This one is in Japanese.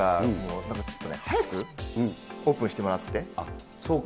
だから、ちょっとね、早く、オープンしてもらって。